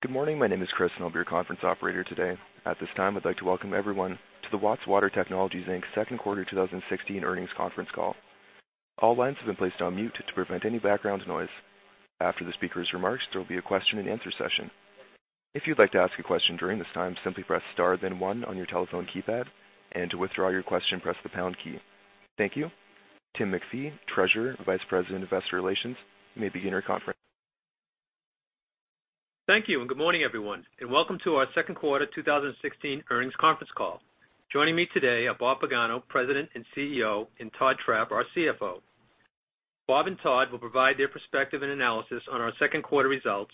Good morning. My name is Chris, and I'll be your conference operator today. At this time, I'd like to welcome everyone to the Watts Water Technologies, Inc.'s second quarter 2016 earnings conference call. All lines have been placed on mute to prevent any background noise. After the speaker's remarks, there will be a question-and-answer session. If you'd like to ask a question during this time, simply press star then one on your telephone keypad, and to withdraw your question, press the pound key. Thank you. Tim McPhee, Treasurer and Vice President of Investor Relations, you may begin your conference. Thank you, and good morning, everyone, and welcome to our second quarter 2016 earnings conference call. Joining me today are Bob Pagano, President and CEO, and Todd Trapp, our CFO. Bob and Todd will provide their perspective and analysis on our second quarter results,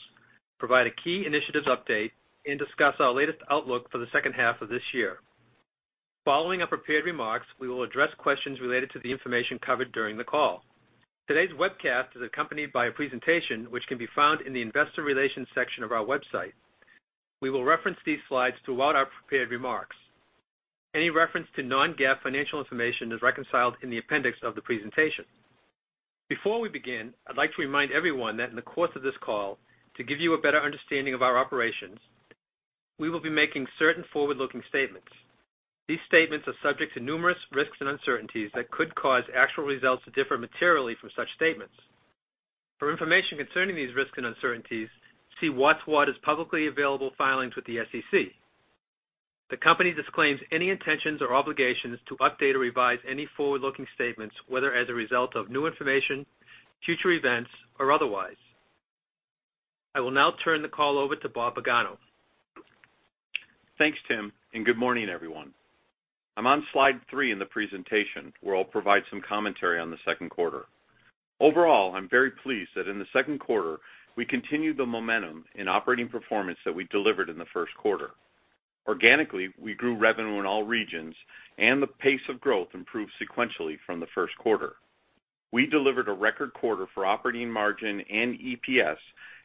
provide a key initiatives update, and discuss our latest outlook for the second half of this year. Following our prepared remarks, we will address questions related to the information covered during the call. Today's webcast is accompanied by a presentation which can be found in the Investor Relations section of our website. We will reference these slides throughout our prepared remarks. Any reference to non-GAAP financial information is reconciled in the appendix of the presentation. Before we begin, I'd like to remind everyone that in the course of this call, to give you a better understanding of our operations, we will be making certain forward-looking statements. These statements are subject to numerous risks and uncertainties that could cause actual results to differ materially from such statements. For information concerning these risks and uncertainties, see Watts Water's publicly available filings with the SEC. The company disclaims any intentions or obligations to update or revise any forward-looking statements, whether as a result of new information, future events, or otherwise. I will now turn the call over to Bob Pagano. Thanks, Tim, and good morning, everyone. I'm on slide three in the presentation, where I'll provide some commentary on the second quarter. Overall, I'm very pleased that in the second quarter, we continued the momentum in operating performance that we delivered in the first quarter. Organically, we grew revenue in all regions, and the pace of growth improved sequentially from the first quarter. We delivered a record quarter for operating margin and EPS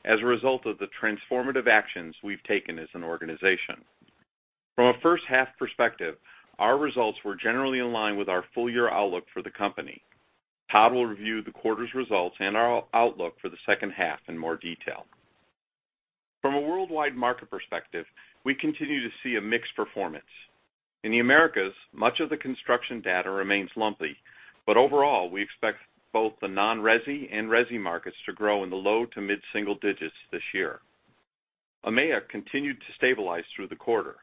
as a result of the transformative actions we've taken as an organization. From a first half perspective, our results were generally in line with our full-year outlook for the company. Todd will review the quarter's results and our outlook for the second half in more detail. From a worldwide market perspective, we continue to see a mixed performance. In the Americas, much of the construction data remains lumpy, but overall, we expect both the non-resi and resi markets to grow in the low to mid-single digits this year. EMEA continued to stabilize through the quarter.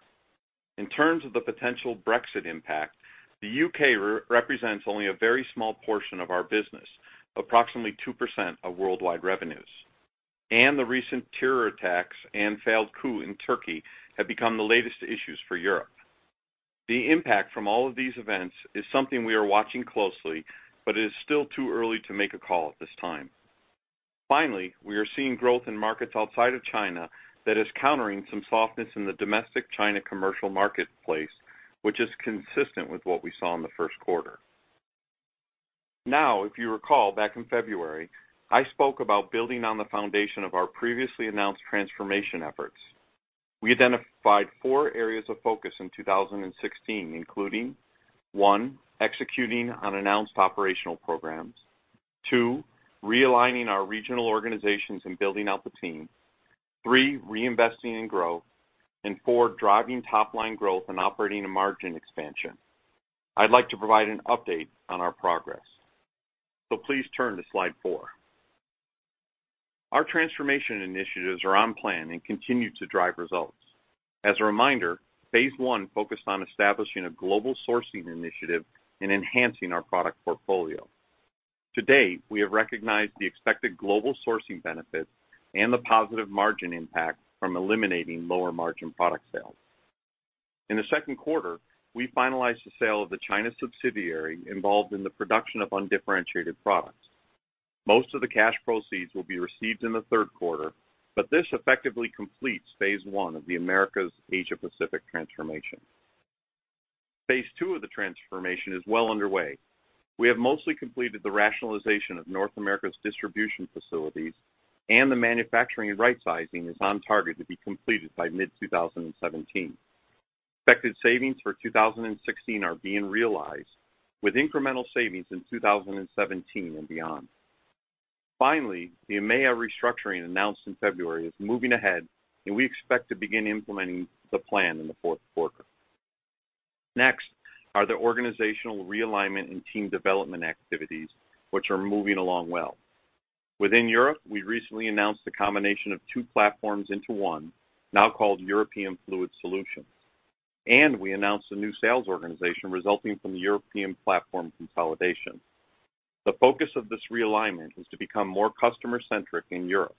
In terms of the potential Brexit impact, the UK represents only a very small portion of our business, approximately 2% of worldwide revenues, and the recent terror attacks and failed coup in Turkey have become the latest issues for Europe. The impact from all of these events is something we are watching closely, but it is still too early to make a call at this time. Finally, we are seeing growth in markets outside of China that is countering some softness in the domestic China commercial marketplace, which is consistent with what we saw in the first quarter. Now, if you recall, back in February, I spoke about building on the foundation of our previously announced transformation efforts. We identified four areas of focus in 2016, including one, executing on announced operational programs, two, realigning our regional organizations and building out the team, three, reinvesting in growth, and four, driving top-line growth and operating a margin expansion. I'd like to provide an update on our progress. Please turn to slide four. Our transformation initiatives are on plan and continue to drive results. As a reminder, phase one focused on establishing a global sourcing initiative and enhancing our product portfolio. To date, we have recognized the expected global sourcing benefits and the positive margin impact from eliminating lower-margin product sales. In the second quarter, we finalized the sale of the China subsidiary involved in the production of undifferentiated products. Most of the cash proceeds will be received in the third quarter, but this effectively completes phase one of the Americas Asia Pacific transformation. Phase two of the transformation is well underway. We have mostly completed the rationalization of North America's distribution facilities, and the manufacturing and rightsizing is on target to be completed by mid-2017. Expected savings for 2016 are being realized, with incremental savings in 2017 and beyond. Finally, the EMEA restructuring announced in February is moving ahead, and we expect to begin implementing the plan in the fourth quarter. Next are the organizational realignment and team development activities, which are moving along well. Within Europe, we recently announced the combination of two platforms into one, now called European Fluid Solutions, and we announced a new sales organization resulting from the European platform consolidation. The focus of this realignment is to become more customer-centric in Europe.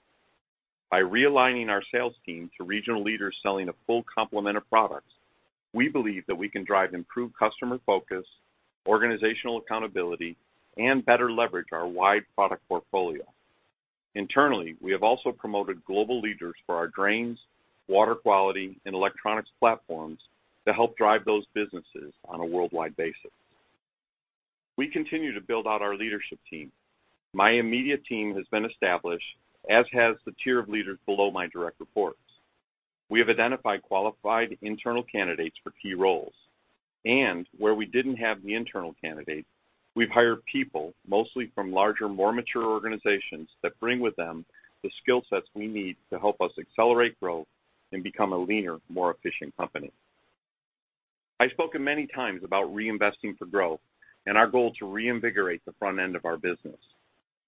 By realigning our sales team to regional leaders selling a full complement of products, we believe that we can drive improved customer focus, organizational accountability, and better leverage our wide product portfolio. Internally, we have also promoted global leaders for our drains, water quality, and electronics platforms to help drive those businesses on a worldwide basis. We continue to build out our leadership team. My immediate team has been established, as has the tier of leaders below my direct reports. We have identified qualified internal candidates for key roles.... and where we didn't have the internal candidates, we've hired people, mostly from larger, more mature organizations, that bring with them the skill sets we need to help us accelerate growth and become a leaner, more efficient company. I've spoken many times about reinvesting for growth and our goal to reinvigorate the front end of our business.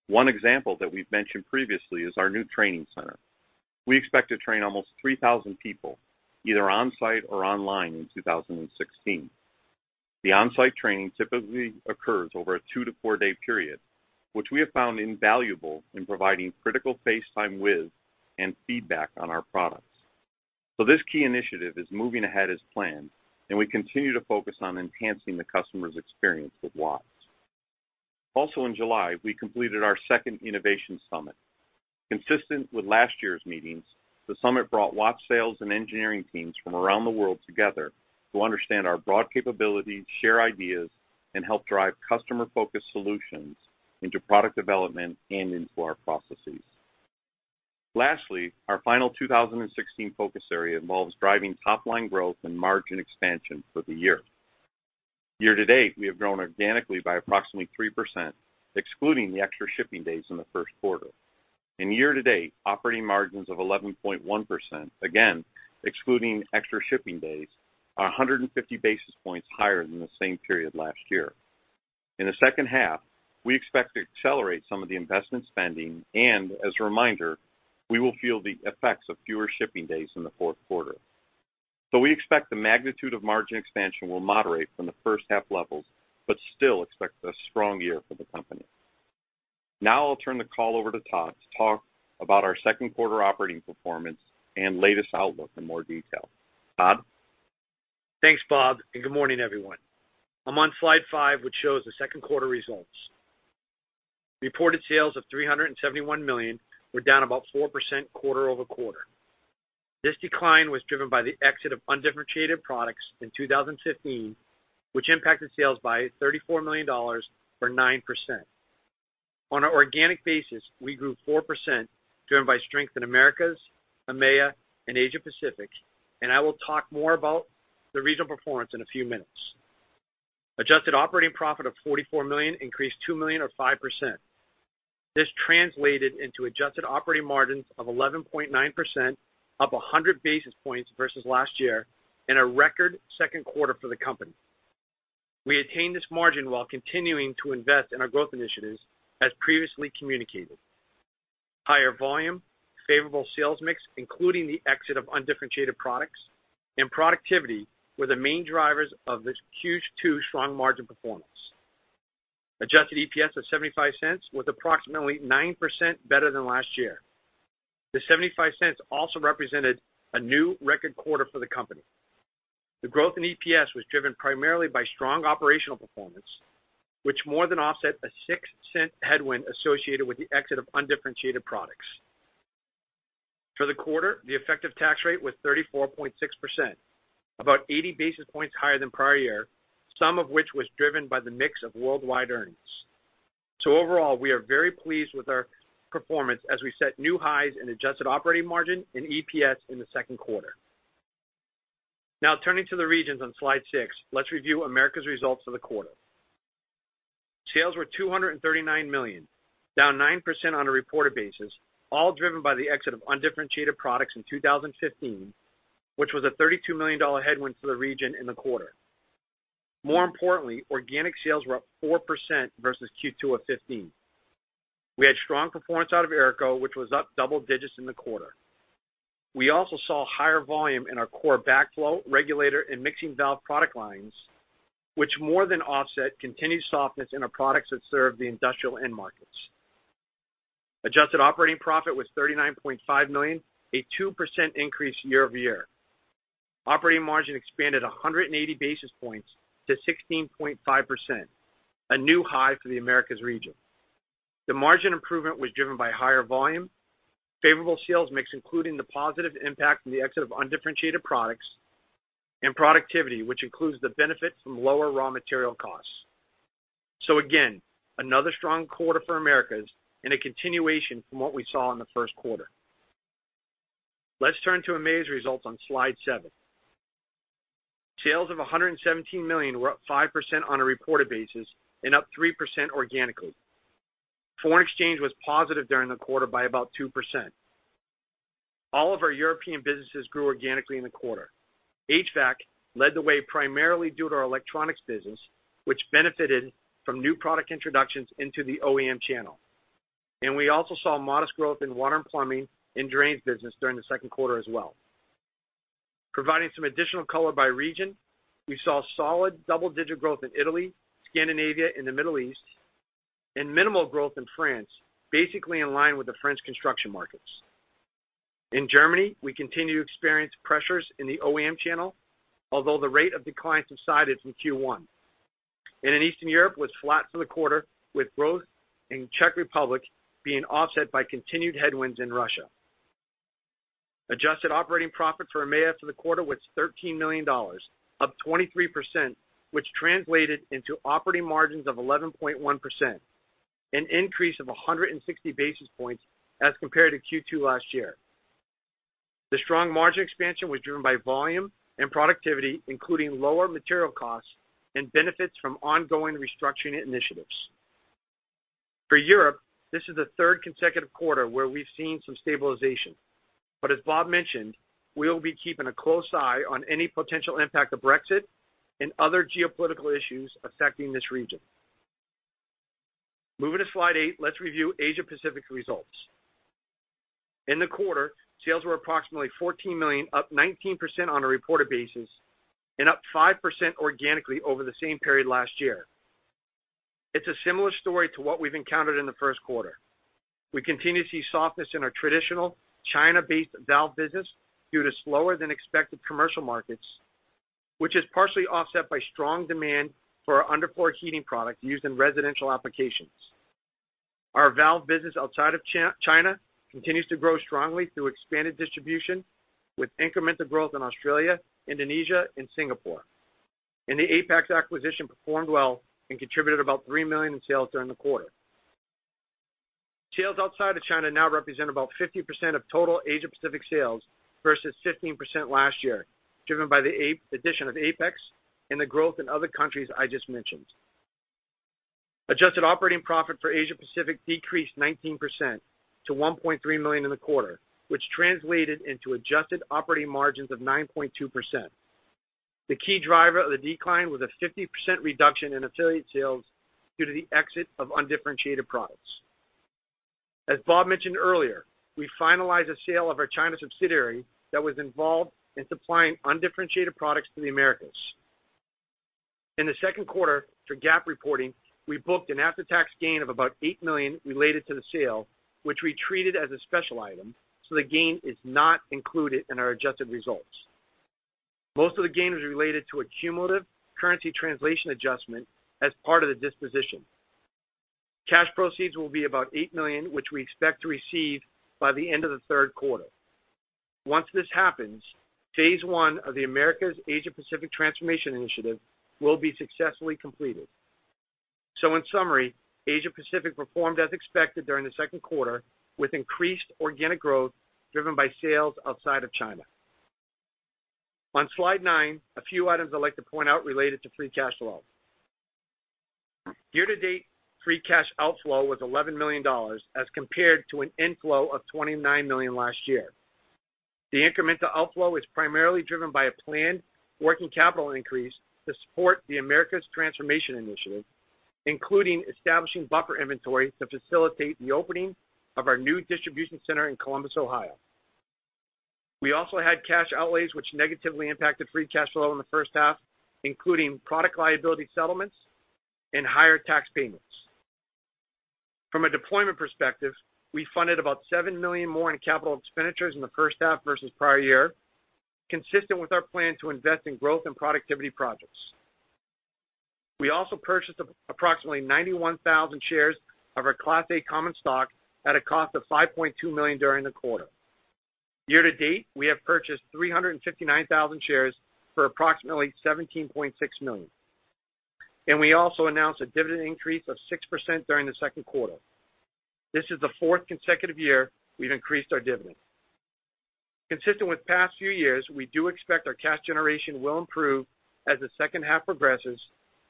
One example that we've mentioned previously is our new training center. We expect to train almost 3,000 people, either on-site or online, in 2016. The on-site training typically occurs over a 2- to 4-day period, which we have found invaluable in providing critical face time with and feedback on our products. So this key initiative is moving ahead as planned, and we continue to focus on enhancing the customer's experience with Watts. Also, in July, we completed our second innovation summit. Consistent with last year's meetings, the summit brought Watts sales and engineering teams from around the world together to understand our broad capabilities, share ideas, and help drive customer-focused solutions into product development and into our processes. Lastly, our final 2016 focus area involves driving top-line growth and margin expansion for the year. Year-to-date, we have grown organically by approximately 3%, excluding the extra shipping days in the first quarter. Year-to-date, operating margins of 11.1%, again, excluding extra shipping days, are 150 basis points higher than the same period last year. In the second half, we expect to accelerate some of the investment spending, and as a reminder, we will feel the effects of fewer shipping days in the fourth quarter. We expect the magnitude of margin expansion will moderate from the first half levels, but still expect a strong year for the company. Now I'll turn the call over to Todd to talk about our second quarter operating performance and latest outlook in more detail. Todd? Thanks, Bob, and good morning, everyone. I'm on slide 5, which shows the second quarter results. Reported sales of $371 million were down about 4% quarter-over-quarter. This decline was driven by the exit of undifferentiated products in 2015, which impacted sales by $34 million, or 9%. On an organic basis, we grew 4%, driven by strength in Americas, EMEA, and Asia Pacific, and I will talk more about the regional performance in a few minutes. Adjusted operating profit of $44 million increased $2 million, or 5%. This translated into adjusted operating margins of 11.9%, up 100 basis points versus last year, and a record second quarter for the company. We attained this margin while continuing to invest in our growth initiatives, as previously communicated. Higher volume, favorable sales mix, including the exit of undifferentiated products, and productivity were the main drivers of this Q2 strong margin performance. Adjusted EPS of $0.75 was approximately 9% better than last year. The $0.75 also represented a new record quarter for the company. The growth in EPS was driven primarily by strong operational performance, which more than offset a $0.06 headwind associated with the exit of undifferentiated products. For the quarter, the effective tax rate was 34.6%, about 80 basis points higher than prior year, some of which was driven by the mix of worldwide earnings. So overall, we are very pleased with our performance as we set new highs in adjusted operating margin and EPS in the second quarter. Now, turning to the regions on slide 6, let's review Americas results for the quarter. Sales were $239 million, down 9% on a reported basis, all driven by the exit of undifferentiated products in 2015, which was a $32 million headwind for the region in the quarter. More importantly, organic sales were up 4% versus Q2 of 2015. We had strong performance out of AERCO, which was up double digits in the quarter. We also saw higher volume in our core backflow, regulator, and mixing valve product lines, which more than offset continued softness in our products that serve the industrial end markets. Adjusted operating profit was $39.5 million, a 2% increase year-over-year. Operating margin expanded 180 basis points to 16.5%, a new high for the Americas region. The margin improvement was driven by higher volume, favorable sales mix, including the positive impact from the exit of undifferentiated products, and productivity, which includes the benefit from lower raw material costs. So again, another strong quarter for Americas and a continuation from what we saw in the first quarter. Let's turn to EMEA's results on slide 7. Sales of $117 million were up 5% on a reported basis and up 3% organically. Foreign exchange was positive during the quarter by about 2%. All of our European businesses grew organically in the quarter. HVAC led the way, primarily due to our electronics business, which benefited from new product introductions into the OEM channel. And we also saw modest growth in water and plumbing and drains business during the second quarter as well. Providing some additional color by region, we saw solid double-digit growth in Italy, Scandinavia, and the Middle East, and minimal growth in France, basically in line with the French construction markets. In Germany, we continue to experience pressures in the OEM channel, although the rate of decline subsided from Q1. And in Eastern Europe was flat for the quarter, with growth in Czech Republic being offset by continued headwinds in Russia. Adjusted operating profit for EMEA for the quarter was $13 million, up 23%, which translated into operating margins of 11.1%, an increase of 160 basis points as compared to Q2 last year. The strong margin expansion was driven by volume and productivity, including lower material costs and benefits from ongoing restructuring initiatives. For Europe, this is the third consecutive quarter where we've seen some stabilization. But as Bob mentioned, we'll be keeping a close eye on any potential impact of Brexit and other geopolitical issues affecting this region. Moving to slide 8, let's review Asia Pacific results. In the quarter, sales were approximately $14 million, up 19% on a reported basis, and up 5% organically over the same period last year. It's a similar story to what we've encountered in the first quarter. We continue to see softness in our traditional China-based valve business due to slower than expected commercial markets, which is partially offset by strong demand for our underfloor heating product used in residential applications. Our valve business outside of China continues to grow strongly through expanded distribution, with incremental growth in Australia, Indonesia, and Singapore. And the Apex acquisition performed well and contributed about $3 million in sales during the quarter. Sales outside of China now represent about 50% of total Asia Pacific sales, versus 15% last year, driven by the addition of Apex and the growth in other countries I just mentioned. Adjusted operating profit for Asia Pacific decreased 19% to $1.3 million in the quarter, which translated into adjusted operating margins of 9.2%. The key driver of the decline was a 50% reduction in affiliate sales due to the exit of undifferentiated products. As Bob mentioned earlier, we finalized the sale of our China subsidiary that was involved in supplying undifferentiated products to the Americas. In the second quarter, for GAAP reporting, we booked an after-tax gain of about $8 million related to the sale, which we treated as a special item, so the gain is not included in our adjusted results. Most of the gain was related to a cumulative currency translation adjustment as part of the disposition. Cash proceeds will be about $8 million, which we expect to receive by the end of the third quarter. Once this happens, phase 1 of the Americas Asia Pacific Transformation Initiative will be successfully completed. So in summary, Asia Pacific performed as expected during the second quarter, with increased organic growth driven by sales outside of China. On slide 9, a few items I'd like to point out related to free cash flow. Year-to-date, free cash outflow was $11 million, as compared to an inflow of $29 million last year. The incremental outflow is primarily driven by a planned working capital increase to support the Americas Transformation Initiative, including establishing buffer inventory to facilitate the opening of our new distribution center in Columbus, Ohio. We also had cash outlays, which negatively impacted free cash flow in the first half, including product liability settlements and higher tax payments. From a deployment perspective, we funded about $7 million more in capital expenditures in the first half versus prior year, consistent with our plan to invest in growth and productivity projects. We also purchased approximately 91,000 shares of our Class A common stock at a cost of $5.2 million during the quarter. Year to date, we have purchased 359,000 shares for approximately $17.6 million, and we also announced a dividend increase of 6% during the second quarter. This is the fourth consecutive year we've increased our dividend. Consistent with past few years, we do expect our cash generation will improve as the second half progresses,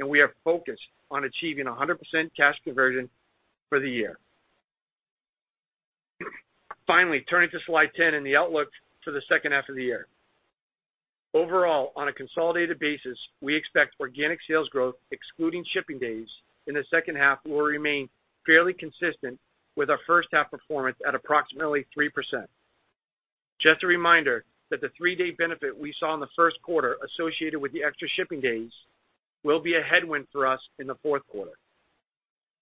and we are focused on achieving 100% cash conversion for the year. Finally, turning to slide 10 and the outlook for the second half of the year. Overall, on a consolidated basis, we expect organic sales growth, excluding shipping days, in the second half will remain fairly consistent with our first half performance at approximately 3%. Just a reminder that the 3-day benefit we saw in the first quarter associated with the extra shipping days will be a headwind for us in the fourth quarter.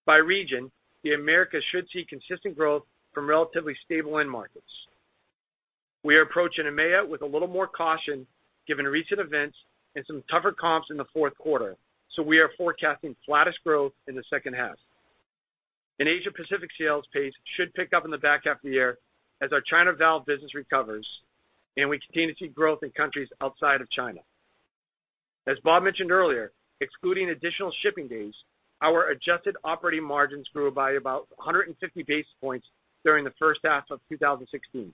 By region, the Americas should see consistent growth from relatively stable end markets. We are approaching EMEA with a little more caution given recent events and some tougher comps in the fourth quarter, so we are forecasting flattish growth in the second half. In Asia Pacific, sales pace should pick up in the back half of the year as our China valve business recovers, and we continue to see growth in countries outside of China. As Bob mentioned earlier, excluding additional shipping days, our adjusted operating margins grew by about 150 basis points during the first half of 2016.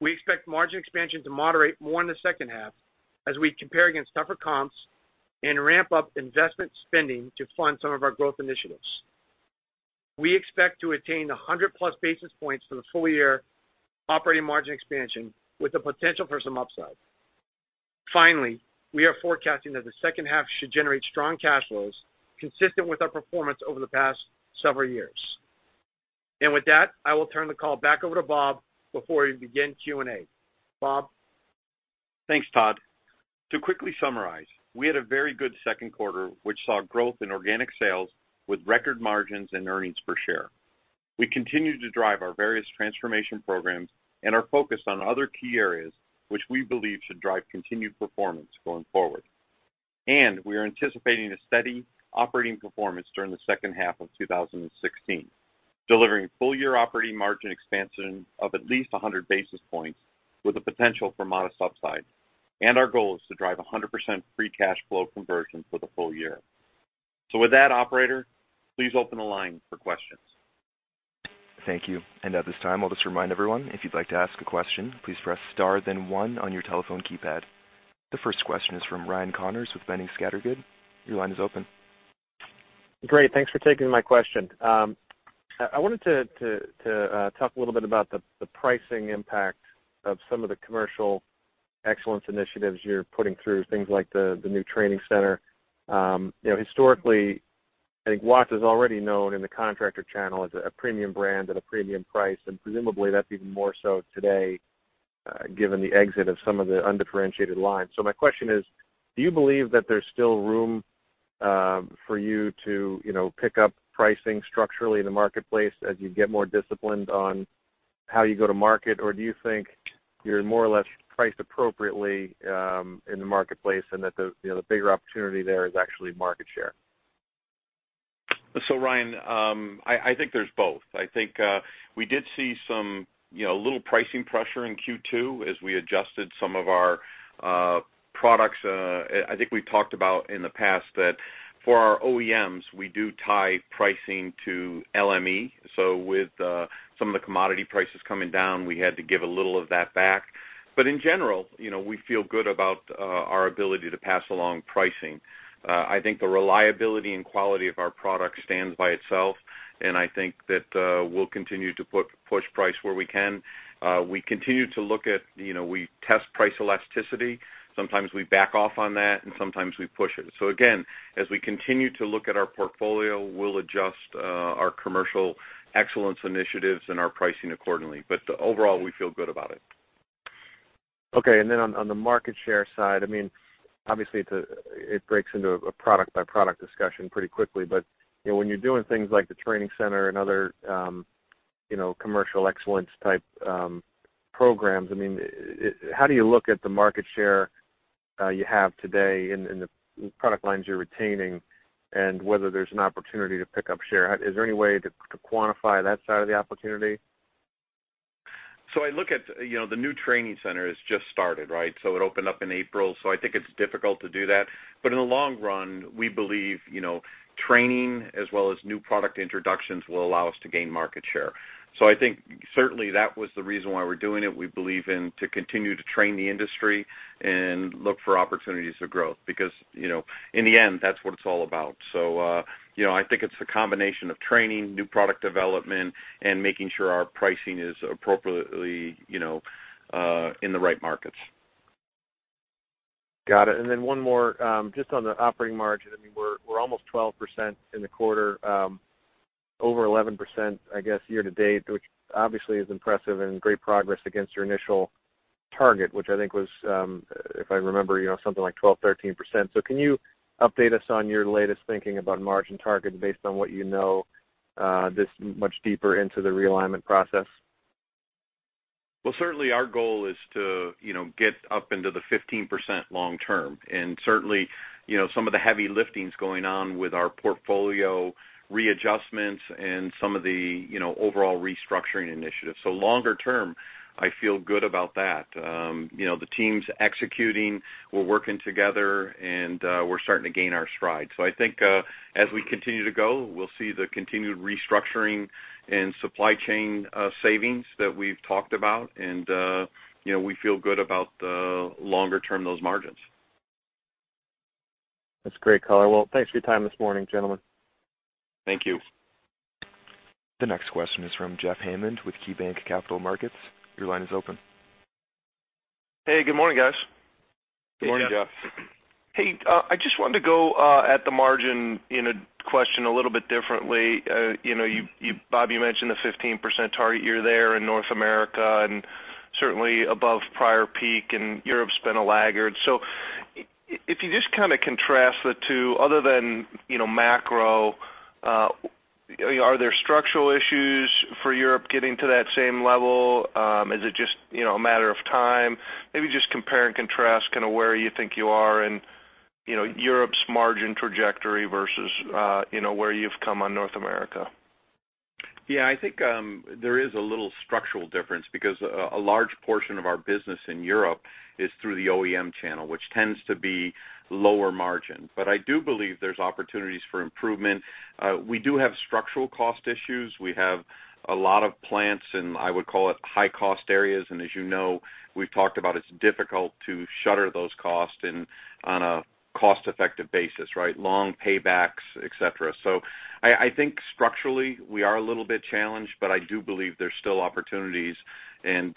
We expect margin expansion to moderate more in the second half as we compare against tougher comps and ramp up investment spending to fund some of our growth initiatives. We expect to attain 100+ basis points for the full year operating margin expansion, with the potential for some upside. Finally, we are forecasting that the second half should generate strong cash flows, consistent with our performance over the past several years. With that, I will turn the call back over to Bob before we begin Q&A. Bob? Thanks, Todd. To quickly summarize, we had a very good second quarter, which saw growth in organic sales with record margins and earnings per share. We continued to drive our various transformation programs and are focused on other key areas which we believe should drive continued performance going forward. We are anticipating a steady operating performance during the second half of 2016, delivering full-year operating margin expansion of at least 100 basis points with the potential for modest upside. Our goal is to drive 100% free cash flow conversion for the full year.... So with that, operator, please open the line for questions. Thank you. At this time, I'll just remind everyone, if you'd like to ask a question, please press star, then one on your telephone keypad. The first question is from Ryan Connors with Boenning & Scattergood. Your line is open. Great, thanks for taking my question. I wanted to talk a little bit about the pricing impact of some of the Commercial Excellence initiatives you're putting through, things like the new training center. You know, historically, I think Watts is already known in the contractor channel as a premium brand at a premium price, and presumably, that's even more so today, given the exit of some of the undifferentiated lines. So my question is: do you believe that there's still room for you to, you know, pick up pricing structurally in the marketplace as you get more disciplined on how you go to market? Or do you think you're more or less priced appropriately in the marketplace, and that the, you know, the bigger opportunity there is actually market share? So Ryan, I think there's both. I think we did see some, you know, little pricing pressure in Q2 as we adjusted some of our products. I think we've talked about in the past that for our OEMs, we do tie pricing to LME. So with some of the commodity prices coming down, we had to give a little of that back. But in general, you know, we feel good about our ability to pass along pricing. I think the reliability and quality of our product stands by itself, and I think that we'll continue to push price where we can. We continue to look at, you know, we test price elasticity. Sometimes we back off on that, and sometimes we push it. So again, as we continue to look at our portfolio, we'll adjust our Commercial Excellence initiatives and our pricing accordingly, but overall, we feel good about it. Okay. And then on the market share side, I mean, obviously, it breaks into a product-by-product discussion pretty quickly. But, you know, when you're doing things like the training center and other, you know, Commercial Excellence type programs, I mean, how do you look at the market share you have today in the product lines you're retaining and whether there's an opportunity to pick up share? Is there any way to quantify that side of the opportunity? So I look at, you know, the new training center has just started, right? So it opened up in April, so I think it's difficult to do that. But in the long run, we believe, you know, training as well as new product introductions will allow us to gain market share. So I think certainly that was the reason why we're doing it. We believe in to continue to train the industry and look for opportunities for growth because, you know, in the end, that's what it's all about. So, you know, I think it's a combination of training, new product development, and making sure our pricing is appropriately, you know, in the right markets. Got it, and then one more, just on the operating margin. I mean, we're, we're almost 12% in the quarter, over 11%, I guess, year to date, which obviously is impressive and great progress against your initial target, which I think was, if I remember, you know, something like 12%-13%. So can you update us on your latest thinking about margin targets based on what you know, this much deeper into the realignment process? Well, certainly our goal is to, you know, get up into the 15% long term. Certainly, you know, some of the heavy lifting is going on with our portfolio readjustments and some of the, you know, overall restructuring initiatives. Longer term, I feel good about that. You know, the team's executing, we're working together, and we're starting to gain our stride. I think, as we continue to go, we'll see the continued restructuring and supply chain savings that we've talked about, and, you know, we feel good about longer term, those margins. That's great color. Well, thanks for your time this morning, gentlemen. Thank you. The next question is from Jeff Hammond with KeyBanc Capital Markets. Your line is open. Hey, good morning, guys. Good morning, Jeff. Hey, I just wanted to go at the margin in a question a little bit differently. You know, you Bob, you mentioned the 15% target. You're there in North America and certainly above prior peak, and Europe's been a laggard. So if you just kind of contrast the two, other than, you know, macro, are there structural issues for Europe getting to that same level? Is it just, you know, a matter of time? Maybe just compare and contrast kind of where you think you are and, you know, Europe's margin trajectory versus, you know, where you've come on North America. Yeah, I think, there is a little structural difference because a large portion of our business in Europe is through the OEM channel, which tends to be lower margin. But I do believe there's opportunities for improvement. We do have structural cost issues. We have a lot of plants in, I would call it, high-cost areas, and as you know, we've talked about it's difficult to shutter those costs and on a cost-effective basis, right? Long paybacks, et cetera. So I think structurally, we are a little bit challenged, but I do believe there's still opportunities, and,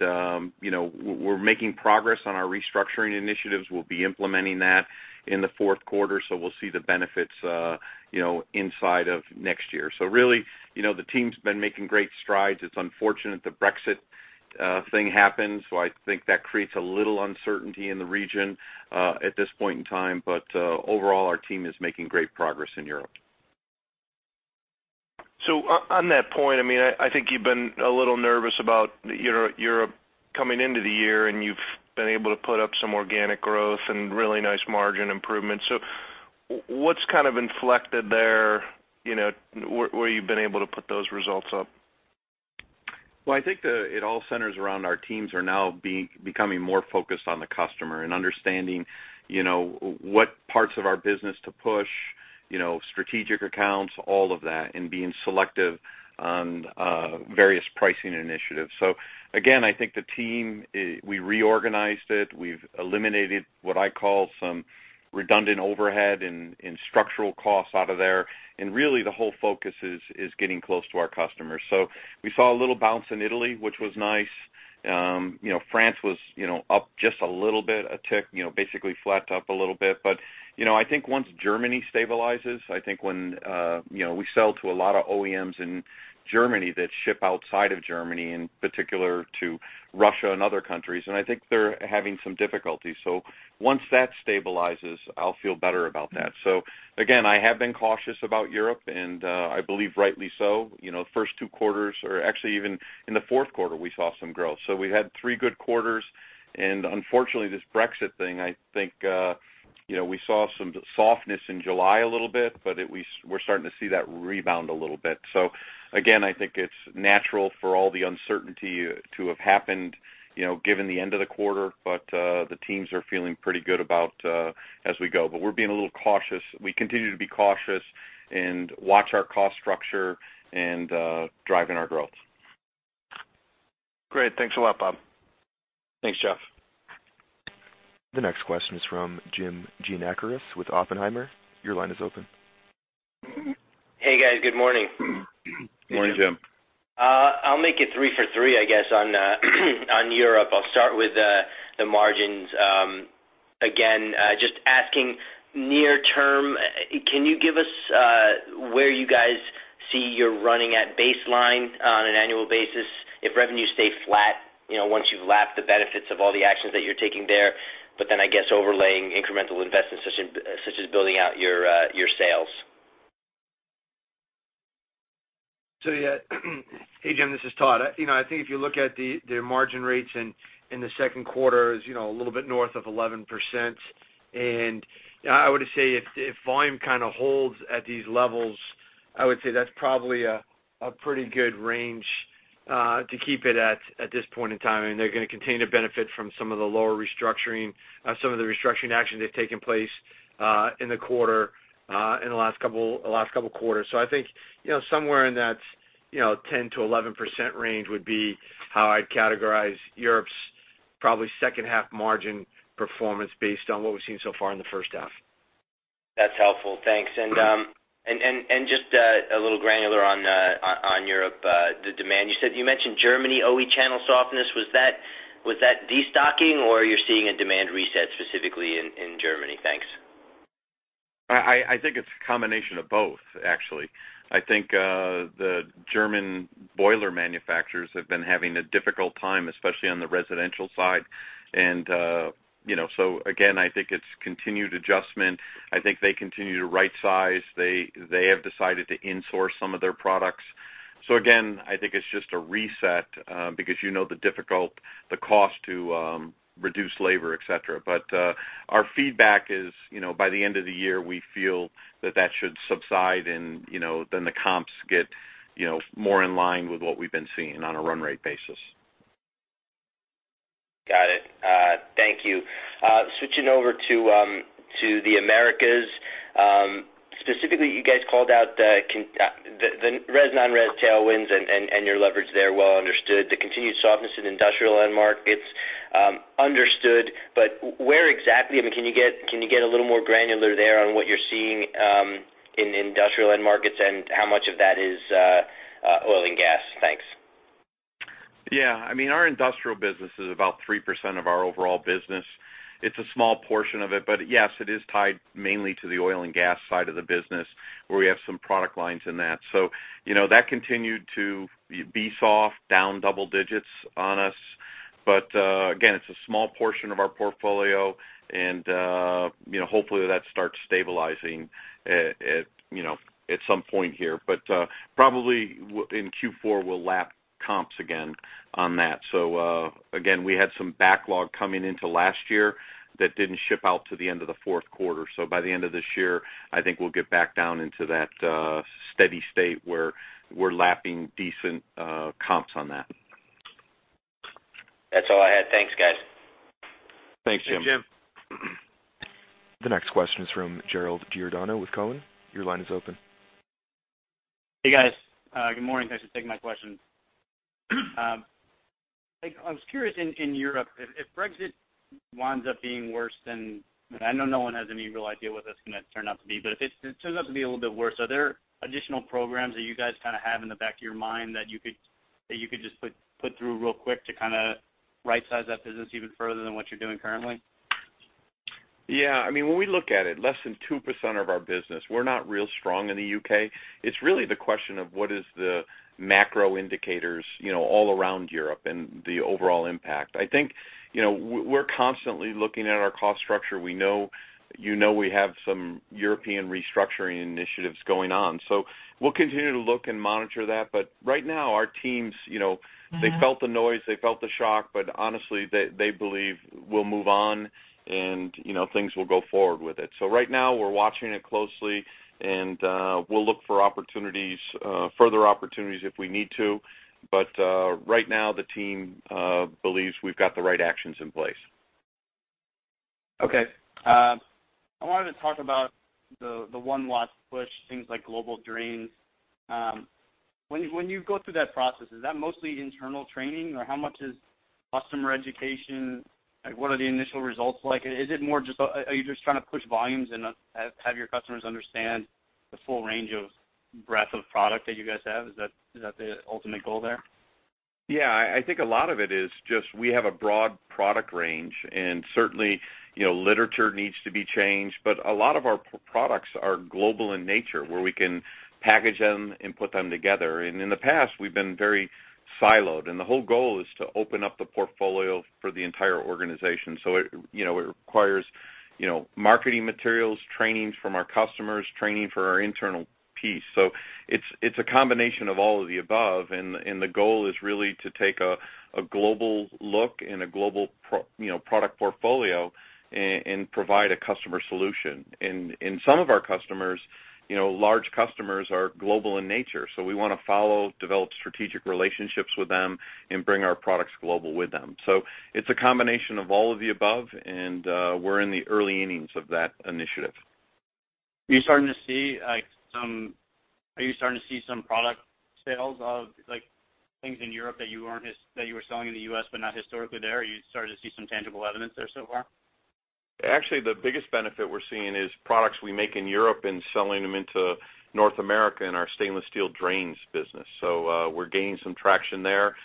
you know, we're making progress on our restructuring initiatives. We'll be implementing that in the fourth quarter, so we'll see the benefits, you know, inside of next year. So really, you know, the team's been making great strides. It's unfortunate the Brexit thing happened, so I think that creates a little uncertainty in the region at this point in time. But, overall, our team is making great progress in Europe. So on that point, I mean, I think you've been a little nervous about Europe coming into the year, and you've been able to put up some organic growth and really nice margin improvements. So what's kind of inflected there, you know, where you've been able to put those results up?... Well, I think it all centers around our teams are now becoming more focused on the customer and understanding, you know, what parts of our business to push, you know, strategic accounts, all of that, and being selective on various pricing initiatives. So again, I think the team we reorganized it. We've eliminated what I call some redundant overhead and structural costs out of there. And really, the whole focus is getting close to our customers. So we saw a little bounce in Italy, which was nice. You know, France was, you know, up just a little bit, a tick, you know, basically flat, up a little bit. But you know, I think once Germany stabilizes, I think when you know, we sell to a lot of OEMs in Germany that ship outside of Germany, in particular to Russia and other countries, and I think they're having some difficulty. So once that stabilizes, I'll feel better about that. So again, I have been cautious about Europe, and I believe rightly so. You know, the first two quarters, or actually even in the fourth quarter, we saw some growth. So we had three good quarters, and unfortunately, this Brexit thing, I think you know, we saw some softness in July a little bit, but it—we, we're starting to see that rebound a little bit. So again, I think it's natural for all the uncertainty to have happened, you know, given the end of the quarter. The teams are feeling pretty good about as we go. But we're being a little cautious. We continue to be cautious and watch our cost structure and driving our growth. Great. Thanks a lot, Bob. Thanks, Jeff. The next question is from Jim Giannakouros with Oppenheimer. Your line is open. Hey, guys. Good morning. Morning, Jim. I'll make it three for three, I guess, on Europe. I'll start with the margins. Again, just asking near term, can you give us where you guys see you're running at baseline on an annual basis if revenues stay flat, you know, once you've lapped the benefits of all the actions that you're taking there, but then I guess overlaying incremental investments, such as, such as building out your sales? So, yeah. Hey, Jim, this is Todd. You know, I think if you look at the margin rates in the second quarter is, you know, a little bit north of 11%. And I would say if volume kind of holds at these levels, I would say that's probably a pretty good range to keep it at this point in time. And they're gonna continue to benefit from some of the restructuring actions that have taken place in the quarter in the last couple quarters. So I think, you know, somewhere in that, you know, 10%-11% range would be how I'd categorize Europe's probably second half margin performance based on what we've seen so far in the first half. That's helpful. Thanks. And just a little granular on Europe, the demand. You said you mentioned Germany, OEM channel softness. Was that destocking, or you're seeing a demand reset specifically in Germany? Thanks. I think it's a combination of both, actually. I think the German boiler manufacturers have been having a difficult time, especially on the residential side. And you know, so again, I think it's continued adjustment. I think they continue to rightsize. They have decided to in-source some of their products. So again, I think it's just a reset, because you know the difficult, the cost to reduce labor, et cetera. But our feedback is, you know, by the end of the year, we feel that that should subside, and you know, then the comps get more in line with what we've been seeing on a run rate basis. Got it. Thank you. Switching over to the Americas. Specifically, you guys called out the res, non-res tailwinds and your leverage there, well understood. The continued softness in industrial end markets, understood, but where exactly? I mean, can you get a little more granular there on what you're seeing in industrial end markets and how much of that is oil and gas? Thanks. Yeah. I mean, our industrial business is about 3% of our overall business. It's a small portion of it, but yes, it is tied mainly to the oil and gas side of the business, where we have some product lines in that. So, you know, that continued to be soft, down double digits on us. But, again, it's a small portion of our portfolio, and, you know, hopefully, that starts stabilizing, at, you know, at some point here. But, probably in Q4, we'll lap comps again on that. So, again, we had some backlog coming into last year that didn't ship out till the end of the fourth quarter. So by the end of this year, I think we'll get back down into that, steady state, where we're lapping decent, comps on that. That's all I had. Thanks, guys. Thanks, Jim. Thanks, Jim. The next question is from Gerald Giordano with Cowen. Your line is open. Hey, guys, good morning. Thanks for taking my question. Like, I was curious in Europe, if Brexit winds up being worse than... I know no one has any real idea what that's gonna turn out to be, but if it turns out to be a little bit worse, are there additional programs that you guys kind of have in the back of your mind that you could just put through real quick to kind of rightsize that business even further than what you're doing currently? Yeah. I mean, when we look at it, less than 2% of our business. We're not real strong in the UK. It's really the question of what is the macro indicators, you know, all around Europe and the overall impact. I think, you know, we're constantly looking at our cost structure. We know, you know, we have some European restructuring initiatives going on, so we'll continue to look and monitor that. But right now, our teams, you know, they felt the noise, they felt the shock, but honestly, they, they believe we'll move on, and, you know, things will go forward with it. So right now, we're watching it closely, and we'll look for opportunities, further opportunities if we need to. But right now, the team believes we've got the right actions in place.... Okay. I wanted to talk about the One Watts push, things like global Drains. When you go through that process, is that mostly internal training, or how much is customer education? Like, what are the initial results like? Is it more just—are you just trying to push volumes and have your customers understand the full range of breadth of product that you guys have? Is that the ultimate goal there? Yeah, I think a lot of it is just we have a broad product range, and certainly, you know, literature needs to be changed. But a lot of our products are global in nature, where we can package them and put them together. And in the past, we've been very siloed, and the whole goal is to open up the portfolio for the entire organization. So it, you know, requires, you know, marketing materials, trainings from our customers, training for our internal piece. So it's, it's a combination of all of the above, and, and the goal is really to take a global look and a global, you know, product portfolio and provide a customer solution. And, and some of our customers, you know, large customers are global in nature, so we wanna follow, develop strategic relationships with them and bring our products global with them. It's a combination of all of the above, and we're in the early innings of that initiative. Are you starting to see some product sales of, like, things in Europe that you were selling in the U.S. but not historically there? Are you starting to see some tangible evidence there so far? Actually, the biggest benefit we're seeing is products we make in Europe and selling them into North America in our stainless steel drains business. So, we're gaining some traction there.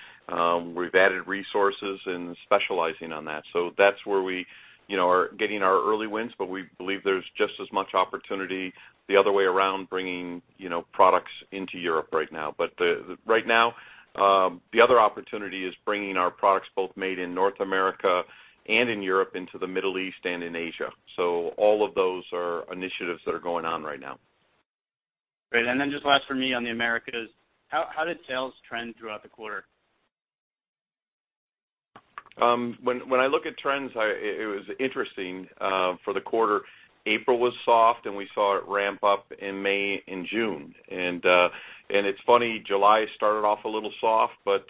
We've added resources and specializing on that. So that's where we, you know, are getting our early wins, but we believe there's just as much opportunity the other way around, bringing, you know, products into Europe right now. But right now, the other opportunity is bringing our products, both made in North America and in Europe, into the Middle East and in Asia. So all of those are initiatives that are going on right now. Great. And then just last for me on the Americas, how did sales trend throughout the quarter? When I look at trends, it was interesting for the quarter. April was soft, and we saw it ramp up in May and June. And it's funny, July started off a little soft, but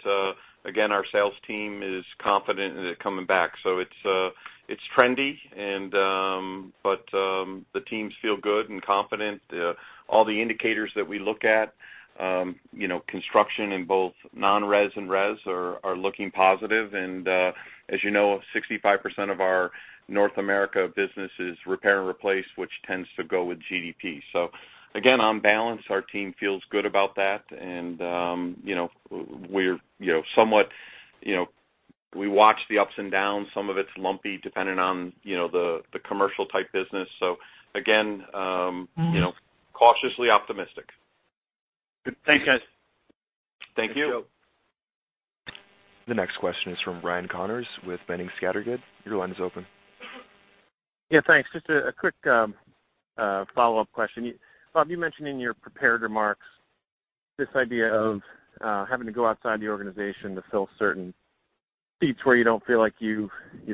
again, our sales team is confident in it coming back. So it's trendy, and the teams feel good and confident. All the indicators that we look at, you know, construction in both non-res and res are looking positive. And as you know, 65% of our North America business is repair and replace, which tends to go with GDP. So again, on balance, our team feels good about that, and you know, we're, you know, somewhat, you know, we watch the ups and downs. Some of it's lumpy, depending on you know, the commercial type business. So again, Mm-hmm... you know, cautiously optimistic. Good. Thanks, guys. Thank you. The next question is from Ryan Connors with Boenning & Scattergood. Your line is open. Yeah, thanks. Just a quick follow-up question. Bob, you mentioned in your prepared remarks this idea of having to go outside the organization to fill certain seats where you don't feel like you've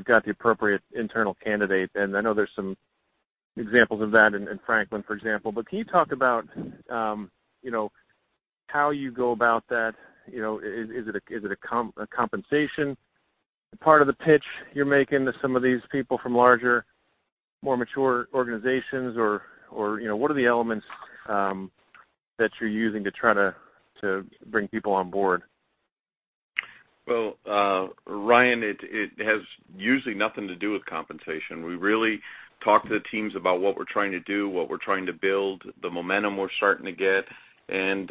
got the appropriate internal candidate. And I know there's some examples of that in Franklin, for example. But can you talk about, you know, how you go about that? You know, is it a compensation part of the pitch you're making to some of these people from larger, more mature organizations, or, you know, what are the elements that you're using to try to bring people on board? Well, Ryan, it has usually nothing to do with compensation. We really talk to the teams about what we're trying to do, what we're trying to build, the momentum we're starting to get, and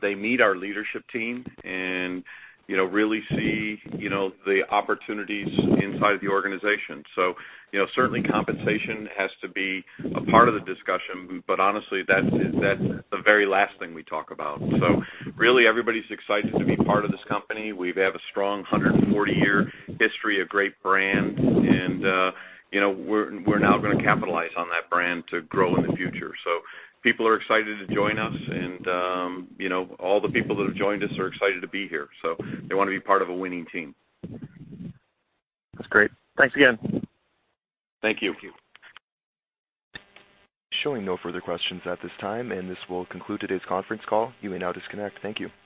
they meet our leadership team and, you know, really see, you know, the opportunities inside the organization. So, you know, certainly compensation has to be a part of the discussion, but honestly, that's the very last thing we talk about. So really, everybody's excited to be part of this company. We have a strong 140-year history, a great brand, and, you know, we're now gonna capitalize on that brand to grow in the future. So people are excited to join us, and, you know, all the people that have joined us are excited to be here, so they wanna be part of a winning team. That's great. Thanks again. Thank you. Showing no further questions at this time, and this will conclude today's conference call. You may now disconnect. Thank you.